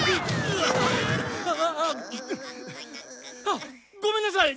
あっごめんなさい！